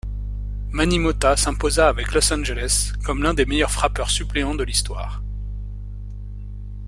Manny Mota s'imposa avec Los Angeles comme l'un des meilleurs frappeurs suppléants de l'histoire.